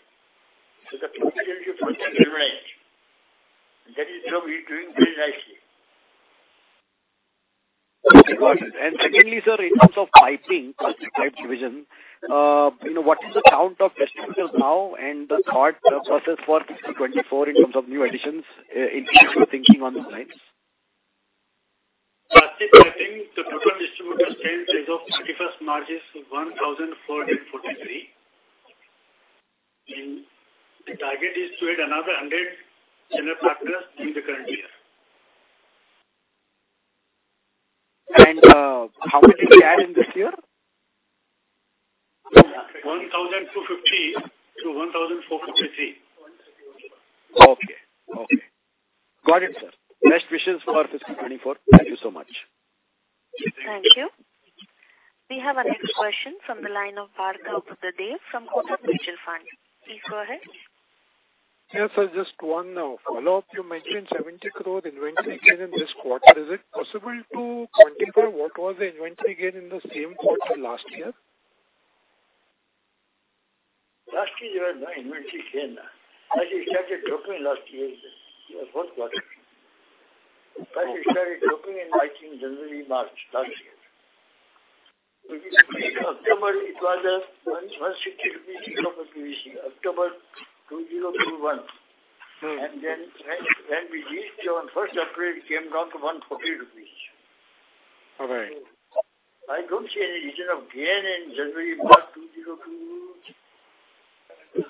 The proficiency of working human is. That is how he's doing very nicely.
Got it. Secondly, sir, in terms of piping, pipe division, you know, what is the count of distributors now and the thought process for 50-24 in terms of new additions, if you're thinking on those lines?
Pipe fitting, the total distributor strength as of 31st March is 1,443. The target is to add another 100 channel partners in the current year.
How many you add in this year?
One thousand two fifty to one thousand four forty-three.
Okay. Okay. Got it, sir. Best wishes for 2024. Thank you so much.
Thank you. We have our next question from the line of Hrishikesh Bhagat from Kotak Mutual Fund. Please go ahead.
Yes, sir, just one follow-up. You mentioned 70 crore inventory gain in this quarter. Is it possible to quantify what was the inventory gain in the same quarter last year?
Last year there was no inventory gain. As we started booking last year, yeah, first quarter. As we started booking in I think January, March last year. In October it was INR 160 October 2021.
Mm-hmm.
Then when we reached on first upgrade, it came down to 140 rupees.
All right.
I don't see any reason of gain in January, March 2022.
Okay.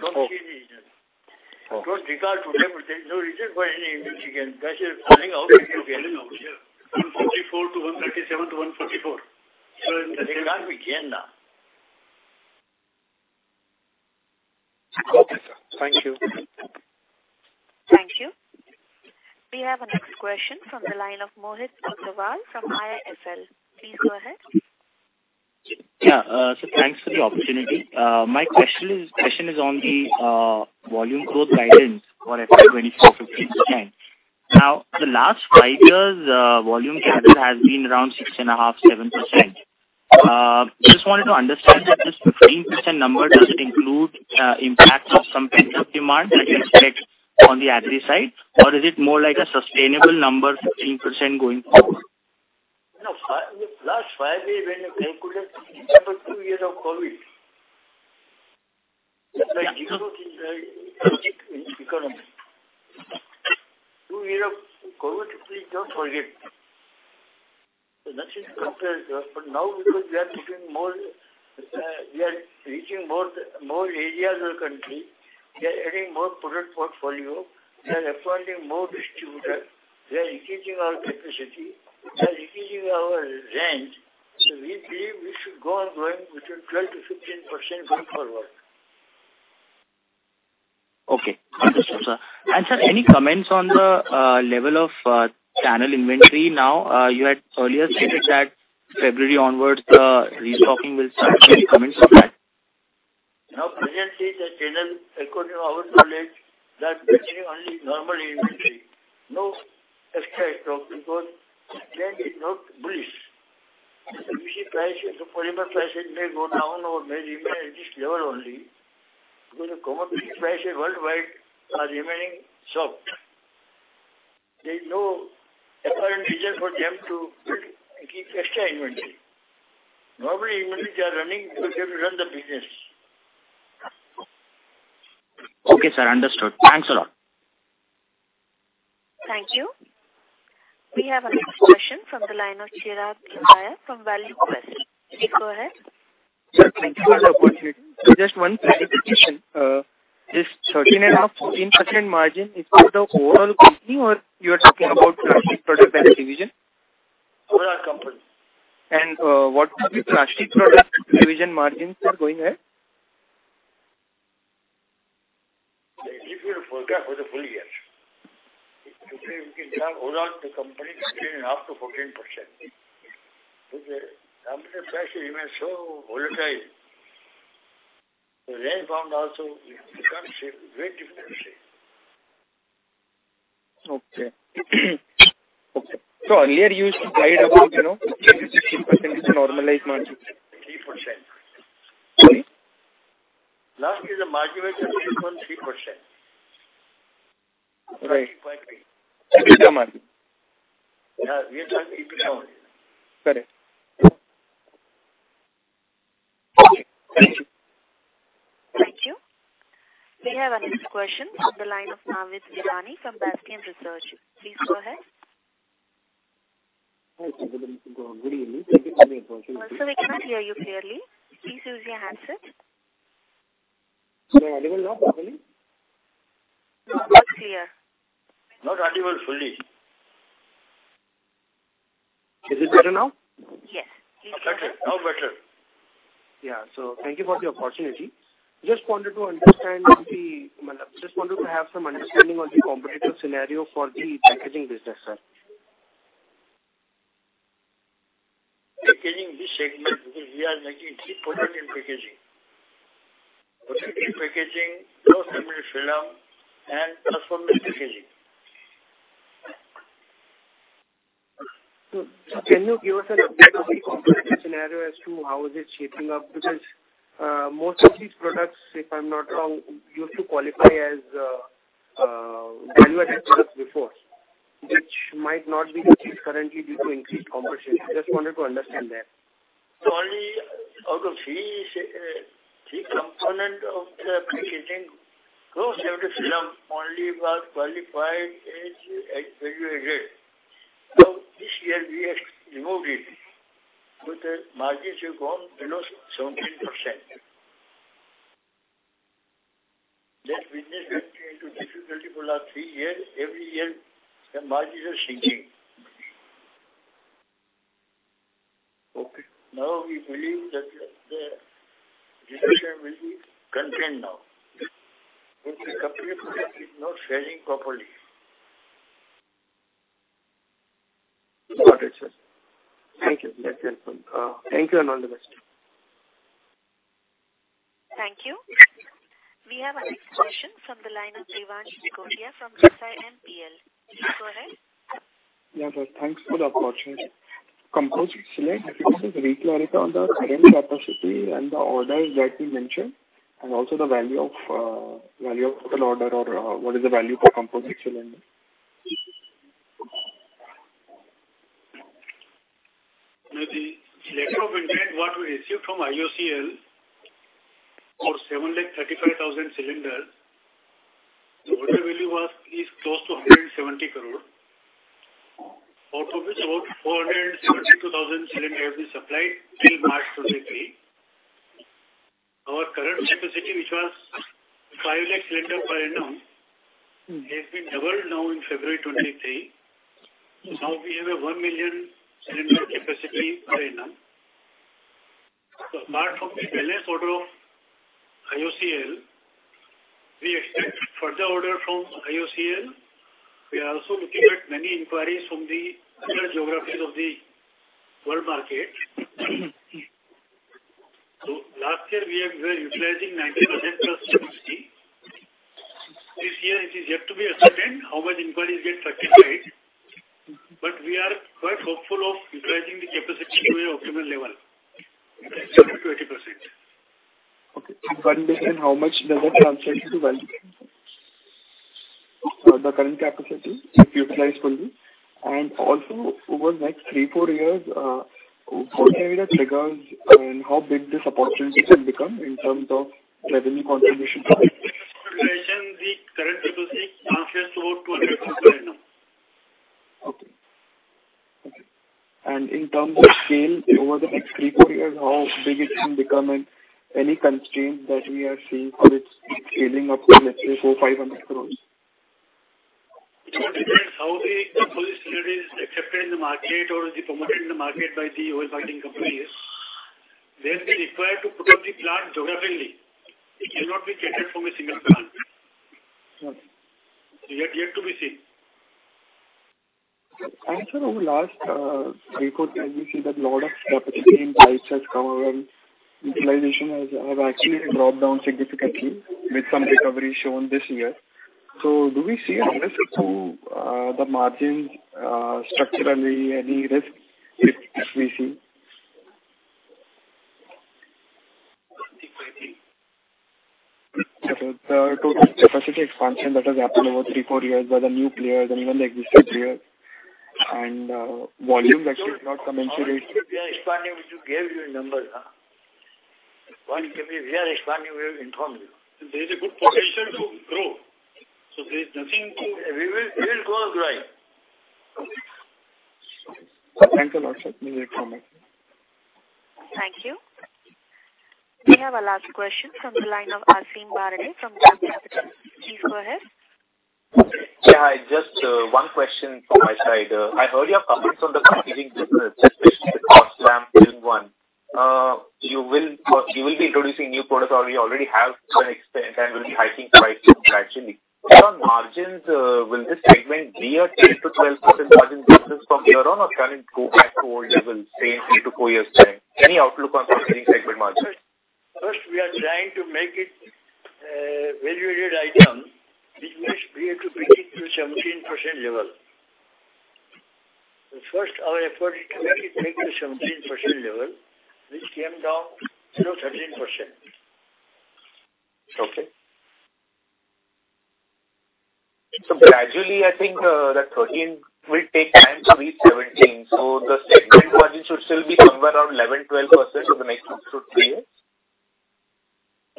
Don't see any reason.
Okay.
Don't regard to them. There's no reason for any increase again. That's just finding out here.
One forty-four to one thirty-seven to one forty-four.
There can't be gain now.
Okay, sir. Thank you.
Thank you. We have our next question from the line of Mohit Agrawal from IIFL. Please go ahead.
Thanks for the opportunity. My question is on the volume growth guidance for FY 2024-2025. The last five years, volume growth has been around 6.5%-7%. Just wanted to understand that this 15% number, does it include impacts of some pent-up demand that you expect on the agri side? Or is it more like a sustainable number, 15% going forward?
No, the last five years when you calculate, remember two years of COVID. It may decrease in the economy. Two year of COVID, please don't forget. Nothing compared to that. But now because we are getting more, we are reaching more areas of the country. We are adding more product portfolio. We are appointing more distributor. We are increasing our capacity. We are increasing our range. We believe we should go on growing between 12%-15% going forward.
Okay. Understood, sir. Sir, any comments on the level of channel inventory now? You had earlier stated that February onwards, the restocking will start. Any comments on that?
Presently the channel, according to our knowledge, they are maintaining only normal inventory. No extra stock because trend is not bullish. If the PC price or the polymer prices may go down or may remain at this level only, because the commodity prices worldwide are remaining soft. There's no apparent reason for them to put, keep extra inventory. Normally inventory they are running to be able to run the business.
Okay, sir. Understood. Thanks a lot.
Thank you. We have our next question from the line of Chirag Lodaya from ValueQuest. Please go ahead.
Sir, thank you for the opportunity. Just one clarification. This 13.5-14% margin is for the overall company or you are talking about Plastic Products division?
Whole company.
What are the Plastic Products division margins are going ahead?
It will forecast for the full year. Today we can tell overall the company 13.5%-14%. Commodity prices remain so volatile. The rain found also becomes a great difference.
Okay. Okay. earlier you used to guide about, you know, 60% is a normalized margin.
3%.
Sorry?
Last year the margin was 3.3%.
Right.
3.3.
EBITDA margin.
Yeah, we are talking EBITDA only.
Correct. Okay. Thank you.
Thank you. We have our next question from the line of Navid Virani from Bastion Research. Please go ahead.
Hi, Chirag. Good evening. Thank you for the opportunity.
Sir, we cannot hear you clearly. Please use your handset.
Am I audible now properly?
No, not clear.
Not audible fully.
Is it better now?
Yes. Please go ahead.
Better. Now better.
Yeah. Thank you for the opportunity. Just wanted to have some understanding on the competitive scenario for the packaging business, sir.
Packaging, this segment, because we are making three product in packaging. Protective packaging, cross lam, and transformer packaging.
Can you give us an update on the competitive scenario as to how is it shaping up? Because most of these products, if I'm not wrong, used to qualify as value-added products before, which might not be the case currently due to increased competition. Just wanted to understand that.
Only out of these, three component of the packaging, co-extruded film only was qualified as value-added. Now this year we have removed it because margins have gone below 17%. That business went into difficulty for last three years. Every year the margins are sinking.
Okay.
Now we believe that the situation will be contained now. If the competitive market is not selling properly.
Got it, sir. Thank you. That's helpful. Thank you and all the best.
Thank you. We have our next question from the line of Devansh Nigotia from SiMPL. Please go ahead.
Yeah, sir. Thanks for the opportunity. Composite Cylinder, if you could just re-clarify on the current capacity and the orders that you mentioned, and also the value of total order or, what is the value per Composite Cylinder?
The letter of intent what we received from IOCL for 735,000 cylinders. The order value was at least close to 170 crore, out of which about 472,000 cylinders have been supplied till March 2023. Our current capacity, which was 5 lakh cylinder per annum, has been doubled now in February 2023. Now we have a 1 million cylinder capacity per annum. Apart from the balance order of IOCL, we expect further order from IOCL. We are also looking at many inquiries from the other geographies of the world market. Last year we have been utilizing 90%+ capacity. This year it is yet to be ascertained how much inquiries get satisfied, but we are quite hopeful of utilizing the capacity to an optimal level, 70%-80%.
Okay. One, how much does that translate to value for the current capacity if utilized fully? Also over the next three, four years, what kind of triggers and how big this opportunity can become in terms of revenue contribution?
Utilization, the current capacity translates to 200 crore per annum.
Okay. Okay. In terms of scale over the next three, four years, how big it can become and any constraint that we are seeing for its scaling up to let's say 400 or 500 crores.
It all depends how the policy is accepted in the market or is it promoted in the market by the oil marketing companies. They'll be required to put up the plant geographically. It cannot be catered from a single plant.
Okay.
Yet to be seen.
Sir, over last 3, 4 years, we see that lot of capacity in pipes has come over and utilization has actually dropped down significantly with some recovery shown this year. Do we see a risk to the margins structurally, any risk we see?
I don't think so, I think.
The total capacity expansion that has happened over three, four years by the new players and even the existing players and, volume that should not commensurate.
We are expanding, we should gave you a number. When we are expanding, we will inform you. There is a good potential to grow. We will grow and thrive.
Okay. Thanks a lot, sir. We wait for more.
Thank you. We have our last question from the line of Aasim Bharde from Geojit. Please go ahead.
Yeah. Hi, just one question from my side. I've heard your comments on the packaging business, especially the cross lam one. You will be introducing new products or you already have an expand and will be hiking prices gradually. On margins, will this segment be a 10%-12% margin business from here on or can it go back to old levels, say 3-4 years back? Any outlook on packaging segment margins?
First, we are trying to make it a value-added item, which means we have to bring it to 17% level. First our effort is to make it 17% level, which came down to 13%. Okay?
Gradually I think that 13 will take time to reach 17. The segment margin should still be somewhere around 11, 12% for the next 2, 3 years.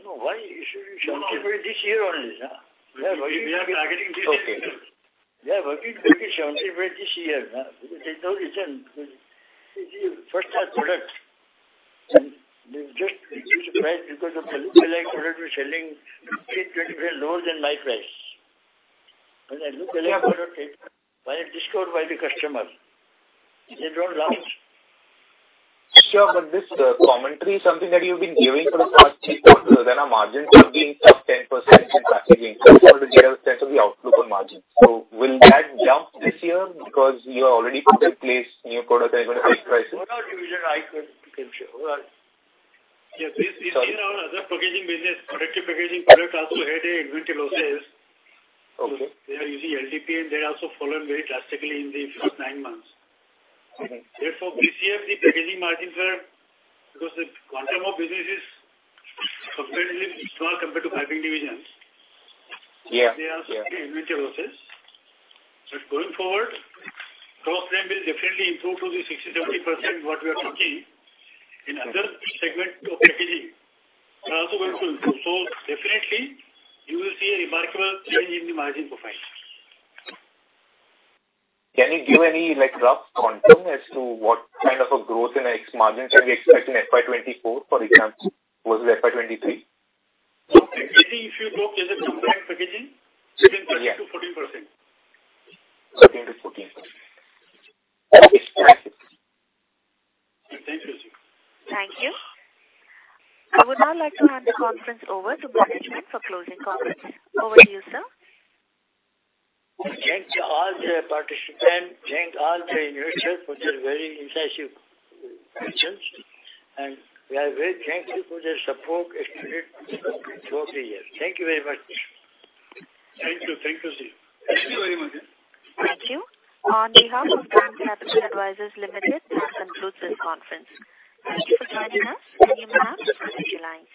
No, why? It should normalize this year only, huh.
Okay.
We are working to make it 17% this year, huh, because there's no reason. It's a first half product. They've just been surprised because of the lookalike product we're selling at 20% lower than my price. When that lookalike product is discovered by the customer, they don't last.
Sure. This commentary is something that you've been giving for the past three, four years. Our margins are being sub 10% since last three years. I just wanted to get a sense of the outlook on margins. Will that jump this year because you are already put in place new products and you're gonna hike prices?
What are the usual hikes we can show, right? Yes, we've seen our other packaging business, corrective packaging product also had a inventory losses.
Okay.
They are using LDPE, and they also fallen very drastically in the first nine months.
Okay.
Therefore, this year the packaging margins were... Because the quantum of business is comparatively small compared to piping divisions.
Yeah. Yeah.
They also had inventory losses. Going forward, cross laminated will definitely improve to the 60%, 70% what we are talking. In other segment of packaging are also going to improve. Definitely you will see a remarkable change in the margin profile.
Can you give any like rough quantum as to what kind of a growth in ex-margins shall we expect in FY 2024 for example, versus FY 2023?
Packaging, if you look as a combined packaging, 17%-14%.
13%-14%.
Thank you.
Thank you. I would now like to hand the conference over to management for closing comments. Over to you, sir.
Thanks to all the participants. Thank all the investors for their very incisive questions. We are very thankful for the support extended throughout the year. Thank you very much. Thank you. Thank you, sir.
Thank you very much.
Thank you. On behalf of DAM Capital Advisors Limited, I now conclude this conference. Thank you for joining us, and you may now disconnect your lines.